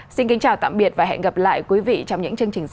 xin kính chào tạm biệt và hẹn gặp lại quý vị trong những chương trình sau